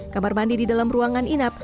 kamar mandi di dalam ruangan inap